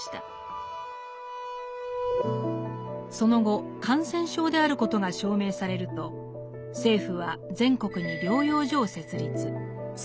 その後感染症であることが証明されると政府は全国に療養所を設立。